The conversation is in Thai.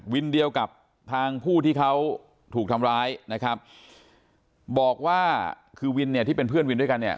เดียวกับทางผู้ที่เขาถูกทำร้ายนะครับบอกว่าคือวินเนี่ยที่เป็นเพื่อนวินด้วยกันเนี่ย